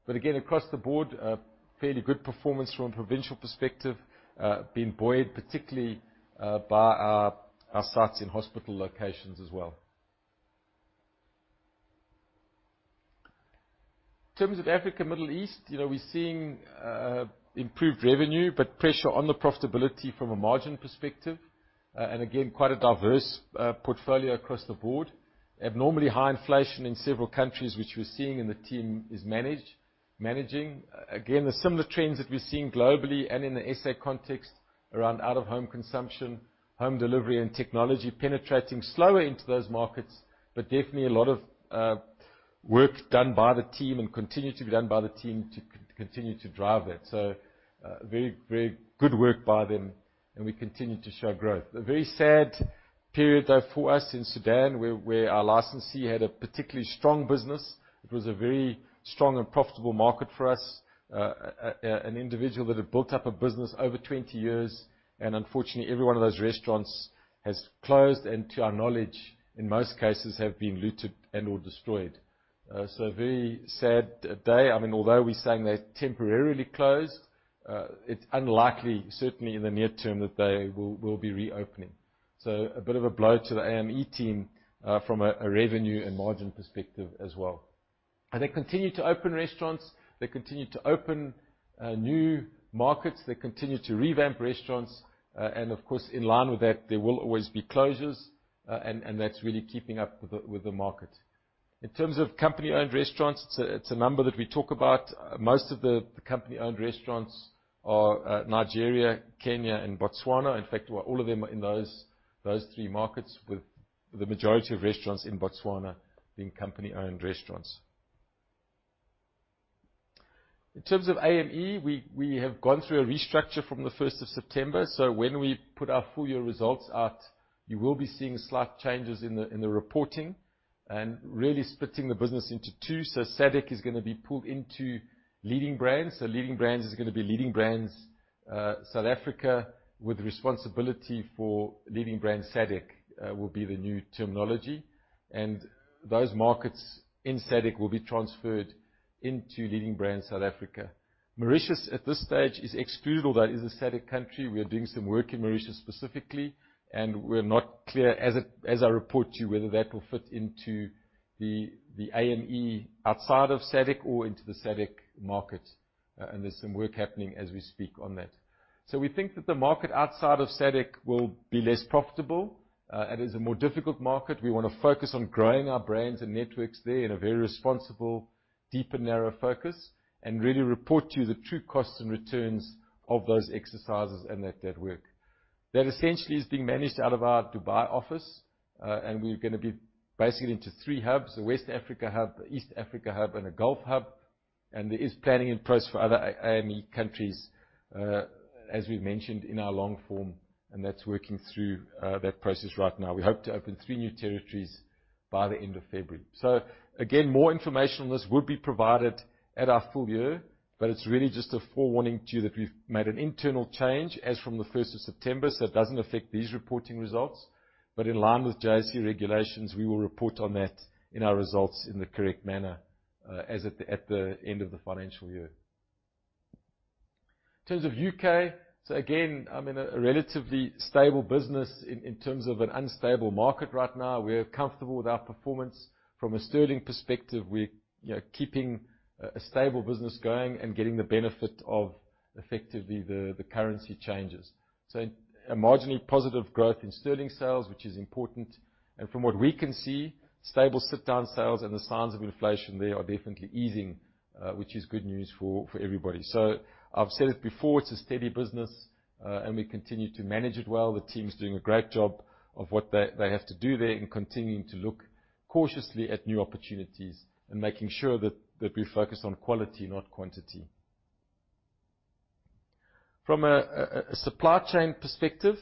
But again, across the board, a fairly good performance from a provincial perspective, being buoyed, particularly, by our sites in hospital locations as well. In terms of Africa, Middle East, you know, we're seeing improved revenue, but pressure on the profitability from a margin perspective, and again, quite a diverse portfolio across the board. Abnormally high inflation in several countries, which we're seeing and the team is managing. Again, the similar trends that we're seeing globally and in the SA context around out-of-home consumption, home delivery, and technology penetrating slower into those markets, but definitely a lot of work done by the team and continue to be done by the team to continue to drive that. So, very, very good work by them, and we continue to show growth. A very sad period, though, for us in Sudan, where our licensee had a particularly strong business. It was a very strong and profitable market for us. An individual that had built up a business over 20 years, and unfortunately, every one of those restaurants has closed, and to our knowledge, in most cases, have been looted and/or destroyed. So a very sad day. I mean, although we're saying they're temporarily closed, it's unlikely, certainly in the near term, that they will be reopening. So a bit of a blow to the AME team, from a revenue and margin perspective as well. And they continue to open restaurants, they continue to open new markets, they continue to revamp restaurants, and of course, in line with that, there will always be closures, and that's really keeping up with the market. In terms of company-owned restaurants, it's a number that we talk about. Most of the company-owned restaurants are Nigeria, Kenya, and Botswana. In fact, all of them are in those three markets, the majority of restaurants in Botswana being company-owned restaurants. In terms of AME, we have gone through a restructure from the first of September, so when we put our full year results out, you will be seeing slight changes in the reporting and really splitting the business into two. So SADC is gonna be pulled into Leading Brands. So Leading Brands is gonna be Leading Brands South Africa, with responsibility for Leading Brands SADC, will be the new terminology, and those markets in SADC will be transferred into Leading Brands South Africa. Mauritius, at this stage, is excluded, although it is a SADC country. We are doing some work in Mauritius specifically, and we're not clear, as I report to you, whether that will fit into the AME outside of SADC or into the SADC market, and there's some work happening as we speak on that. So we think that the market outside of SADC will be less profitable, and is a more difficult market. We wanna focus on growing our brands and networks there in a very responsible, deep and narrow focus, and really report to you the true costs and returns of those exercises and that work. That essentially is being managed out of our Dubai office, and we're gonna be basically into three hubs: the West Africa hub, the East Africa hub, and a Gulf hub, and there is planning in place for other AME countries, as we've mentioned in our long form, and that's working through that process right now. We hope to open three new territories by the end of February. So again, more information on this will be provided at our full year, but it's really just a forewarning to you that we've made an internal change as from the first of September, so it doesn't affect these reporting results. But in line with JSE regulations, we will report on that in our results in the correct manner, as at the end of the financial year. In terms of the U.K., so again, I'm in a relatively stable business in terms of an unstable market right now. We're comfortable with our performance. From a sterling perspective, we're, you know, keeping a stable business going and getting the benefit of effectively the currency changes. So a marginally positive growth in sterling sales, which is important, and from what we can see, stable sit-down sales and the signs of inflation there are definitely easing, which is good news for everybody. So I've said it before, it's a steady business, and we continue to manage it well. The team's doing a great job of what they have to do there and continuing to look cautiously at new opportunities and making sure that we're focused on quality, not quantity. From a supply chain perspective,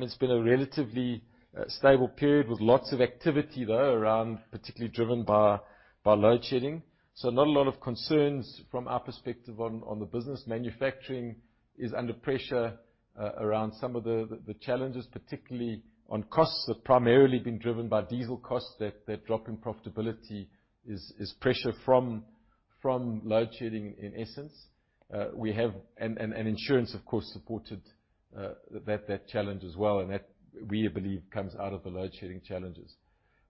it's been a relatively stable period, with lots of activity, though, around, particularly driven by load shedding. So not a lot of concerns from our perspective on the business. Manufacturing is under pressure around some of the challenges, particularly on costs, have primarily been driven by diesel costs, that drop in profitability is pressure from load shedding, in essence. And insurance, of course, supported that challenge as well, and that, we believe, comes out of the load shedding challenges.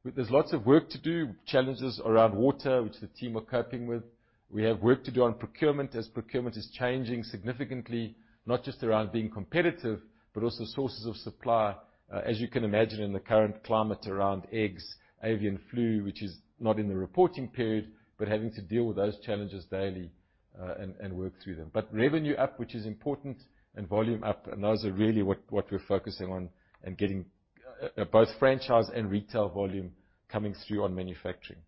But there's lots of work to do, challenges around water, which the team are coping with. We have work to do on procurement, as procurement is changing significantly, not just around being competitive, but also sources of supply. As you can imagine, in the current climate around eggs, Avian Flu, which is not in the reporting period, but having to deal with those challenges daily, and work through them. But revenue up, which is important, and volume up, and those are really what we're focusing on, and getting both franchise and retail volume coming through on manufacturing.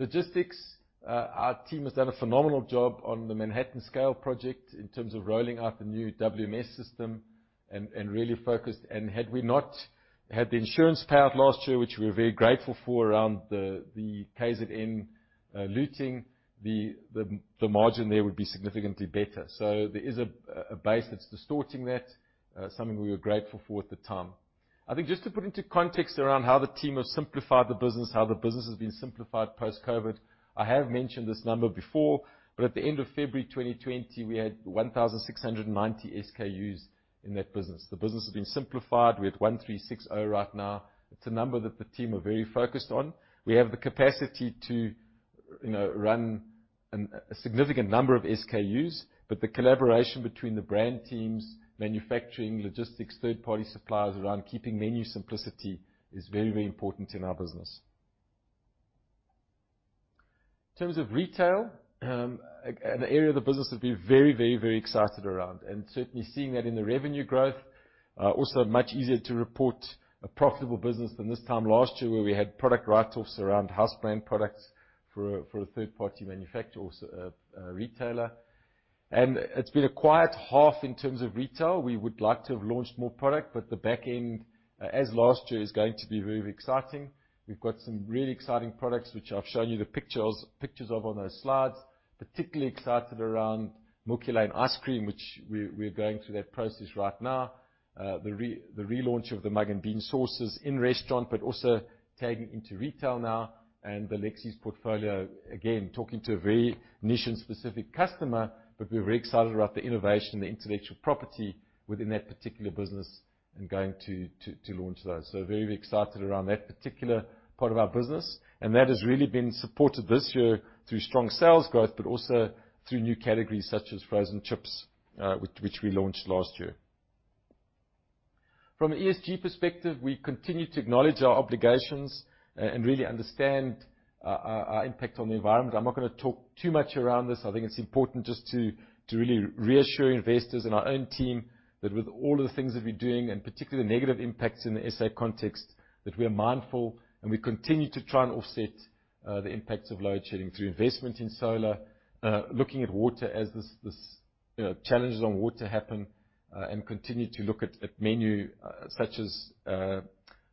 Logistics, our team has done a phenomenal job on the Manhattan SCALE project in terms of rolling out the new WMS system and really focused. And had we not had the insurance payout last year, which we're very grateful for, around the KZN looting, the margin there would be significantly better. So there is a base that's distorting that, something we were grateful for at the time. I think just to put into context around how the team has simplified the business, how the business has been simplified post-COVID. I have mentioned this number before, but at the end of February 2020, we had 1,690 SKUs in that business. The business has been simplified. We have 1,360 right now. It's a number that the team are very focused on. We have the capacity to, you know, run a significant number of SKUs, but the collaboration between the brand teams, manufacturing, logistics, third-party suppliers around keeping menu simplicity is very, very important in our business. In terms of retail, an area of the business we're very, very, very excited around, and certainly seeing that in the revenue growth. Also much easier to report a profitable business than this time last year, where we had product write-offs around house brand products for a third-party manufacturer or a retailer. And it's been a quiet half in terms of retail. We would like to have launched more product, but the back end, as last year, is going to be very exciting. We've got some really exciting products, which I've shown you the pictures, pictures of on those slides. Particularly excited around Milky Lane ice cream, which we're, we're going through that process right now. The relaunch of the Mugg & Bean sauces in restaurants, but also taking into retail now, and the Lexi's portfolio, again, talking to a very niche and specific customer, but we're very excited about the innovation, the intellectual property within that particular business and going to launch those. So very, very excited around that particular part of our business, and that has really been supported this year through strong sales growth, but also through new categories such as frozen chips, which we launched last year. From an ESG perspective, we continue to acknowledge our obligations, and really understand our impact on the environment. I'm not gonna talk too much around this. I think it's important just to really reassure investors and our own team that with all of the things that we're doing, and particularly the negative impacts in the SA context, that we are mindful, and we continue to try and offset the impacts of load shedding through investment in solar. Looking at water as this you know, challenges on water happen, and continue to look at menu such as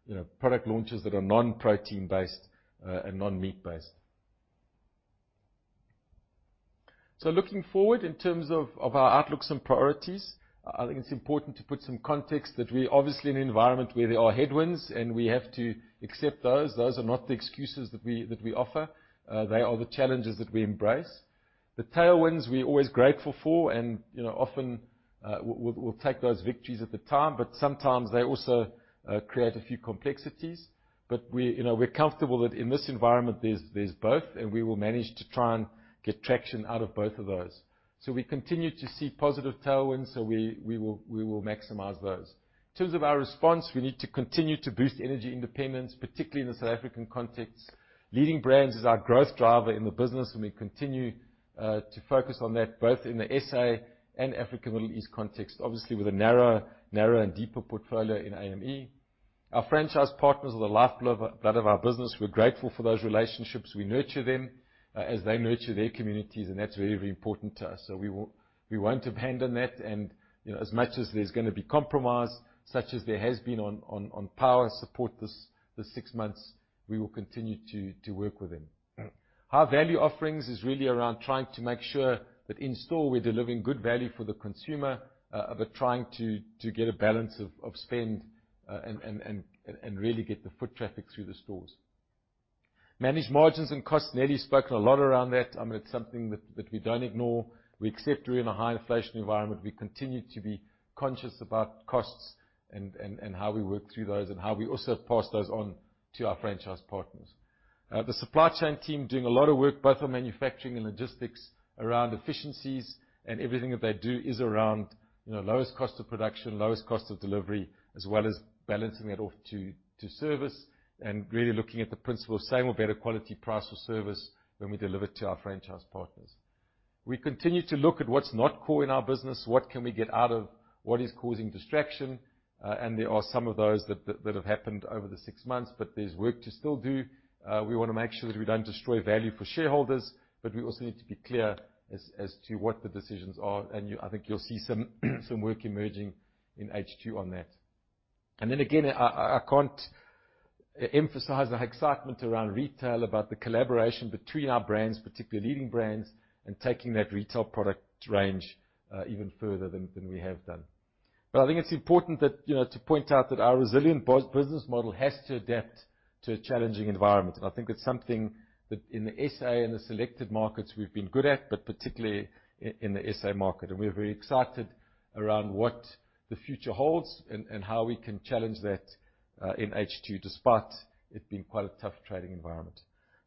you know, product launches that are non-protein based, and non-meat based. So looking forward in terms of our outlooks and priorities, I think it's important to put some context that we're obviously in an environment where there are headwinds, and we have to accept those. Those are not the excuses that we offer, they are the challenges that we embrace. The tailwinds, we're always grateful for, and, you know, often, we'll, we'll take those victories at the time, but sometimes they also create a few complexities. But we, you know, we're comfortable that in this environment, there's, there's both, and we will manage to try and get traction out of both of those. So we continue to see positive tailwinds, so we, we will, we will maximize those. In terms of our response, we need to continue to boost energy independence, particularly in the South African context. Leading Brands is our growth driver in the business, and we continue to focus on that, both in the SA and Africa, Middle East context, obviously, with a narrower, narrower and deeper portfolio in AME. Our franchise partners are the lifeblood of our business. We're grateful for those relationships. We nurture them, as they nurture their communities, and that's very, very important to us. So we will... We won't have handled that, and, you know, as much as there's gonna be compromise, such as there has been on power support this six months, we will continue to work with them. Our value offerings is really around trying to make sure that in-store, we're delivering good value for the consumer, but trying to get a balance of spend, and really get the foot traffic through the stores. Manage margins and costs, Neli's spoken a lot around that. I mean, it's something that we don't ignore. We accept we're in a high inflation environment. We continue to be conscious about costs and how we work through those, and how we also pass those on to our franchise partners. The supply chain team doing a lot of work, both on manufacturing and logistics around efficiencies, and everything that they do is around, you know, lowest cost of production, lowest cost of delivery, as well as balancing it off to service, and really looking at the principle of same or better quality, price, or service when we deliver to our franchise partners. We continue to look at what's not core in our business, what can we get out of, what is causing distraction, and there are some of those that have happened over the six months, but there's work to still do. We want to make sure that we don't destroy value for shareholders, but we also need to be clear as to what the decisions are. And I think you'll see some work emerging in H2 on that. And then again, I can't emphasize the excitement around retail, about the collaboration between our brands, particularly Leading Brands, and taking that retail product range even further than we have done. But I think it's important that, you know, to point out that our resilient business model has to adapt to a challenging environment, and I think it's something that in the SA and the selected markets we've been good at, but particularly in the SA market. And we're very excited around what the future holds and how we can challenge that in H2, despite it being quite a tough trading environment.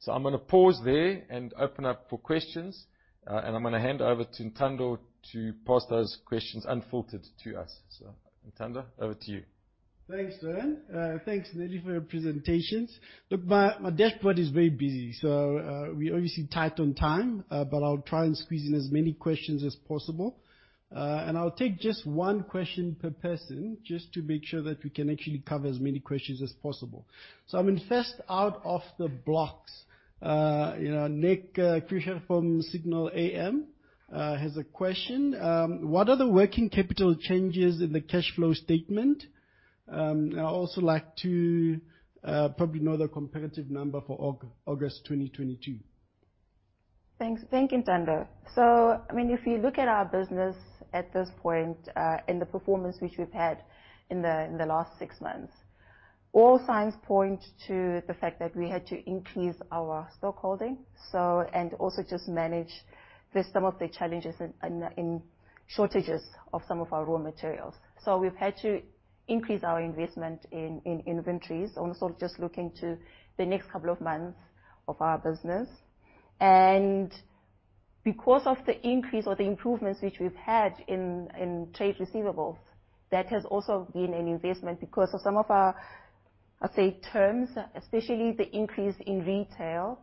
I'm gonna pause there and open up for questions, and I'm gonna hand over to Ntando to pass those questions unfiltered to us. Ntando, over to you. Thanks, Darren. Thanks, Neli, for your presentations. Look, my dashboard is very busy, so we're obviously tight on time, but I'll try and squeeze in as many questions as possible. And I'll take just one question per person, just to make sure that we can actually cover as many questions as possible. So I mean, first out of the blocks, you know, Nick Fisher from Signal AM has a question. What are the working capital changes in the cash flow statement? I'd also like to probably know the competitive number for August 2022. Thanks. Thank you, Ntando. So I mean, if you look at our business at this point, and the performance which we've had in the last six months, all signs point to the fact that we had to increase our stockholding, so, and also just manage with some of the challenges in shortages of some of our raw materials. So we've had to increase our investment in inventories, also just looking to the next couple of months of our business. Because of the increase or the improvements which we've had in trade receivables, that has also been an investment because of some of our terms, especially the increase in retail,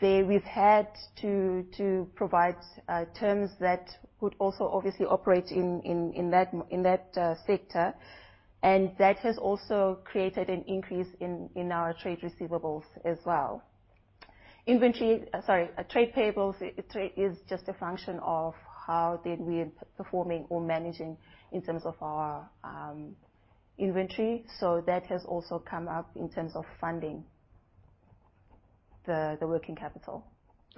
there we've had to provide terms that would also obviously operate in that sector, and that has also created an increase in our trade receivables as well. Inventory, trade payables, trade is just a function of how then we're performing or managing in terms of our inventory, so that has also come up in terms of funding the working capital.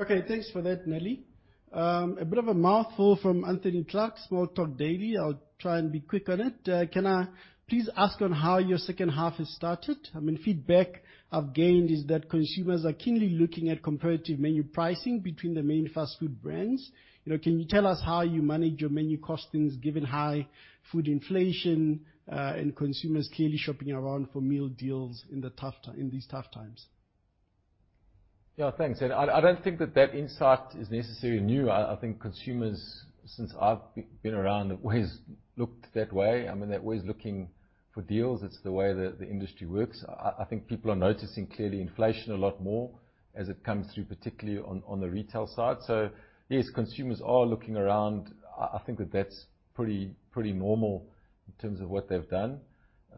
Okay, thanks for that, Neli. A bit of a mouthful from Anthony Clark, Small Talk Daily. I'll try and be quick on it. Can I please ask on how your second half has started? I mean, feedback I've gained is that consumers are keenly looking at comparative menu pricing between the main fast food brands. You know, can you tell us how you manage your menu costings, given high food inflation, and consumers clearly shopping around for meal deals in these tough times? Yeah, thanks. I don't think that insight is necessarily new. I think consumers, since I've been around, have always looked that way. I mean, they're always looking for deals. It's the way the industry works. I think people are noticing, clearly, inflation a lot more as it comes through, particularly on the retail side. So yes, consumers are looking around. I think that's pretty normal in terms of what they've done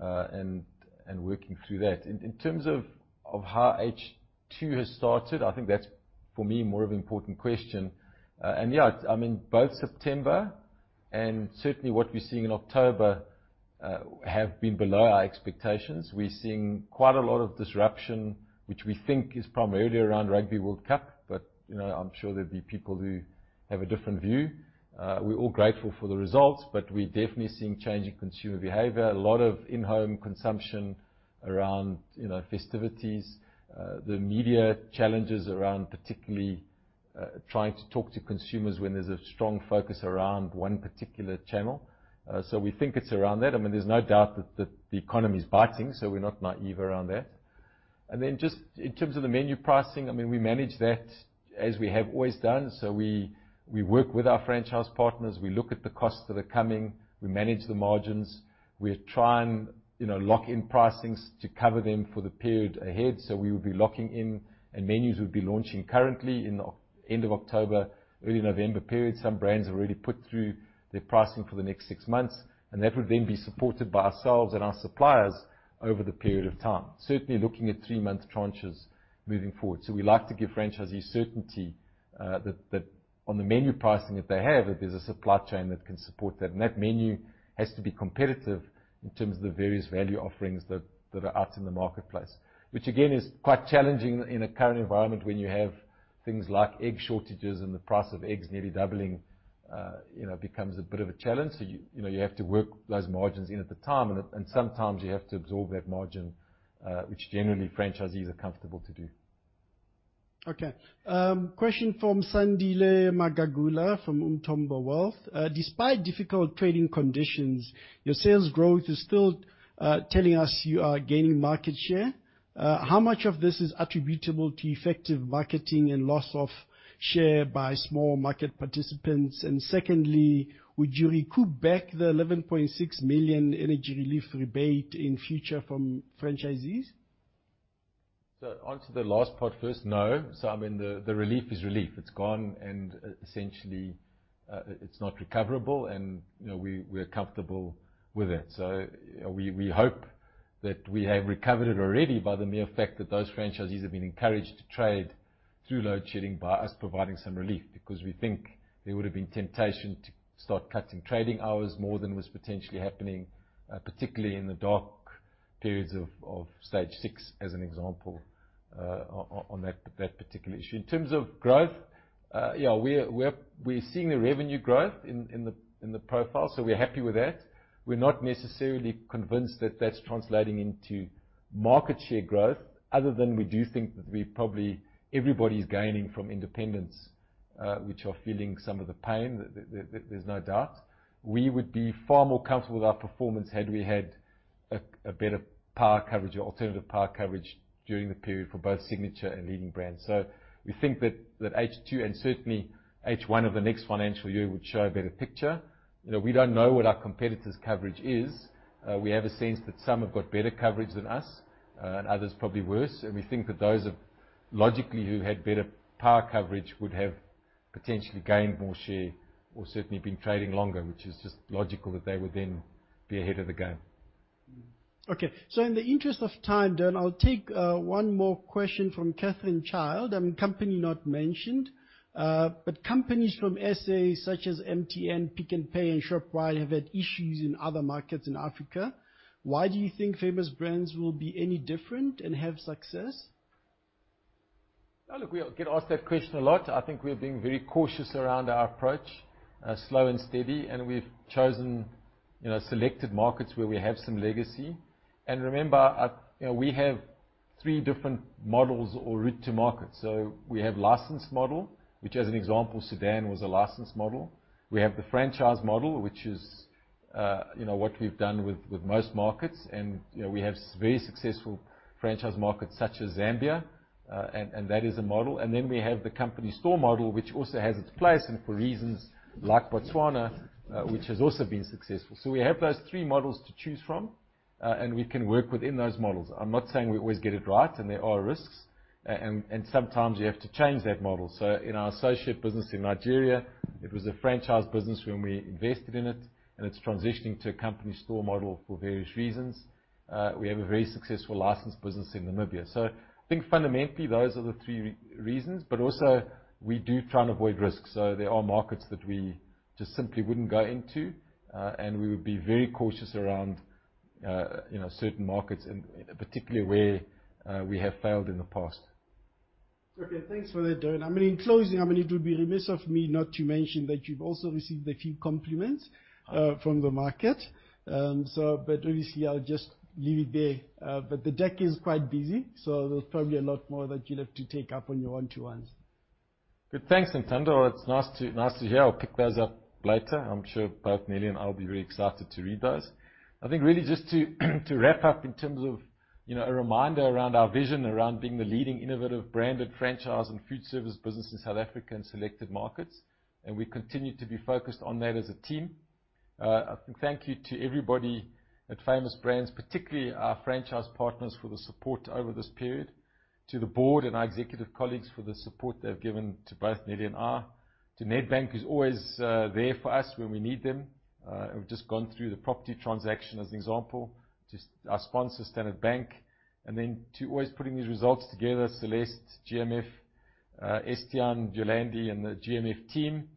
and working through that. In terms of how H2 has started, I think that's, for me, more of an important question. And yeah, I mean, both September and certainly what we're seeing in October have been below our expectations. We're seeing quite a lot of disruption, which we think is primarily around Rugby World Cup, but, you know, I'm sure there'll be people who have a different view. We're all grateful for the results, but we're definitely seeing change in consumer behavior, a lot of in-home consumption around, you know, festivities, the media challenges around particularly, trying to talk to consumers when there's a strong focus around one particular channel. So we think it's around that. I mean, there's no doubt that the economy is biting, so we're not naive around that. And then just in terms of the menu pricing, I mean, we manage that as we have always done. So we work with our franchise partners, we look at the costs that are coming, we manage the margins. We're trying, you know, lock in pricings to cover them for the period ahead, so we will be locking in and menus will be launching currently in the end of October, early November period. Some brands have already put through their pricing for the next six months, and that would then be supported by ourselves and our suppliers over the period of time. Certainly, looking at three-month tranches moving forward. So we like to give franchisees certainty, that, that on the menu pricing that they have, that there's a supply chain that can support that. And that menu has to be competitive in terms of the various value offerings that, that are out in the marketplace. Which again, is quite challenging in a current environment when you have things like egg shortages and the price of eggs nearly doubling, you know, becomes a bit of a challenge. You know, you have to work those margins in at the time, and sometimes you have to absorb that margin, which generally franchisees are comfortable to do. Okay. Question from Sandile Magagula, from Umthombo Wealth. Despite difficult trading conditions, your sales growth is still telling us you are gaining market share. How much of this is attributable to effective marketing and loss of share by small market participants? And secondly, would you recoup back the 11.6 million energy relief rebate in future from franchisees? So onto the last part first, no. So I mean, the relief is relief. It's gone, and essentially, it's not recoverable, and, you know, we're comfortable with it. So we hope that we have recovered it already by the mere fact that those franchisees have been encouraged to trade through load shedding by us providing some relief, because we think there would have been temptation to start cutting trading hours more than was potentially happening, particularly in the dark periods of Stage Six, as an example, on that particular issue. In terms of growth, yeah, we're seeing the revenue growth in the profile, so we're happy with that. We're not necessarily convinced that that's translating into market share growth, other than we do think that we've probably, everybody's gaining from independence, which are feeling some of the pain, there, there, there's no doubt. We would be far more comfortable with our performance had we had a better power coverage or alternative power coverage during the period for both Signature and Leading Brands. So we think that H2, and certainly H1 of the next financial year, would show a better picture. You know, we don't know what our competitors' coverage is. We have a sense that some have got better coverage than us, and others probably worse, and we think that those of, logically, who had better power coverage would have potentially gained more share or certainly been trading longer, which is just logical that they would then be ahead of the game. Okay, so in the interest of time, Darren, I'll take one more question from Katherine Child, company not mentioned. But companies from SA, such as MTN, Pick n Pay, and Shoprite, have had issues in other markets in Africa. Why do you think Famous Brands will be any different and have success? Now, look, we get asked that question a lot. I think we're being very cautious around our approach, slow and steady, and we've chosen, you know, selected markets where we have some legacy. And remember, you know, we have three different models or route to market. So we have licensed model, which, as an example, Sudan was a licensed model. We have the franchise model, which is, you know, what we've done with, with most markets. And, you know, we have very successful franchise markets such as Zambia, and that is a model. And then we have the company store model, which also has its place, and for reasons like Botswana, which has also been successful. So we have those three models to choose from, and we can work within those models. I'm not saying we always get it right, and there are risks, and sometimes you have to change that model. So in our associate business in Nigeria, it was a franchise business when we invested in it, and it's transitioning to a company store model for various reasons. We have a very successful licensed business in Namibia. So I think fundamentally, those are the three reasons, but also we do try and avoid risk. So there are markets that we just simply wouldn't go into, and we would be very cautious around, you know, certain markets, and particularly where we have failed in the past. Okay, thanks for that, Darren. I mean, in closing, I mean, it would be remiss of me not to mention that you've also received a few compliments from the market. So but obviously I'll just leave it there. But the deck is quite busy, so there's probably a lot more that you'll have to take up on your one-to-ones. Good. Thanks, Ntando. It's nice to, nice to hear. I'll pick those up later. I'm sure both Nellie and I will be very excited to read those. I think really just to wrap up in terms of, you know, a reminder around our vision, around being the leading innovative branded franchise and food service business in South Africa and selected markets, and we continue to be focused on that as a team. Thank you to everybody at Famous Brands, particularly our franchise partners, for the support over this period, to the board and our executive colleagues for the support they've given to both Nellie and I, to Nedbank, who's always there for us when we need them. We've just gone through the property transaction, as an example. To our sponsor, Standard Bank, and then to always putting these results together, Celeste, GMF, Estian, Yolandi, and the GMF team.